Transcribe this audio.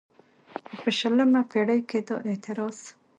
خو په شلمه پېړۍ کې دا اعتراض